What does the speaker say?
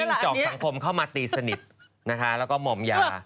จอกสังคมเข้ามาตีสนิทนะคะแล้วก็หม่อมยา